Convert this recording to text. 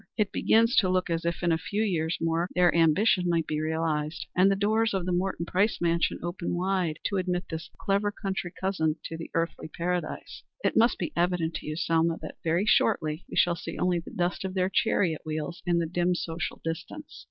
It begins to look as if, in a few years more, their ambition might be realized, and the doors of the Morton Price mansion open wide to admit this clever country cousin to the earthly paradise. It must be evident to you, Selma, that very shortly we shall see only the dust of their chariot wheels in the dim social distance.